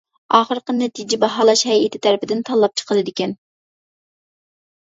ئاخىرقى نەتىجە باھالاش ھەيئىتى تەرىپىدىن تاللاپ چىقىلىدىكەن.